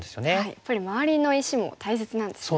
やっぱり周りの石も大切なんですね。